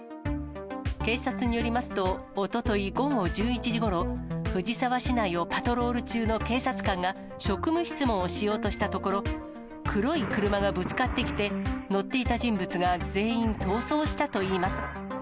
警察によりますと、おととい午後１１時ごろ、藤沢市内をパトロール中の警察官が、職務質問をしようとしたところ、黒い車がぶつかってきて、乗っていた人物が全員、逃走したといいます。